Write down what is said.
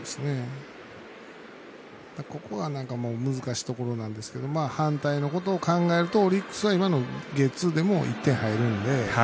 ここは難しいところなんですけど反対のことを考えるとオリックスはゲッツーでも１点、入るんで。